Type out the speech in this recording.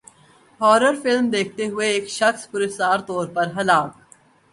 horror film دیکھتے ہوئے ایک شخص پراسرار طور پر ہلاک